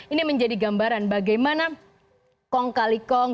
ini menjadi gambaran bagaimana kong kali kong